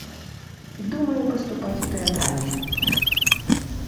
Думае паступаць у тэатральны.